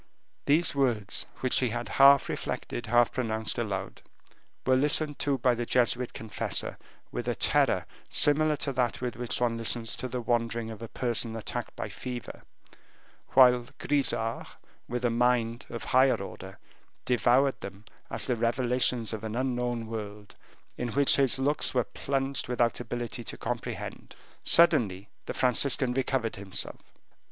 These words, which had been half reflected, half pronounced aloud, were listened to by the Jesuit confessor with a terror similar to that with which one listens to the wanderings of a person attacked by fever, whilst Grisart, with a mind of higher order, devoured them as the revelations of an unknown world, in which his looks were plunged without ability to comprehend. Suddenly the Franciscan recovered himself.